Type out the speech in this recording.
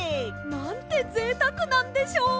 「なんてぜいたくなんでしょう」。